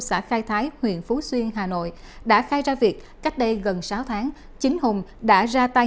xã khai thái huyện phú xuyên hà nội đã khai ra việc cách đây gần sáu tháng chính hùng đã ra tay